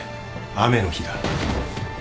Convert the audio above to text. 雨の日だ。